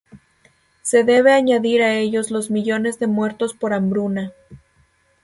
Se debe añadir a ellos los millones de muertos por hambruna.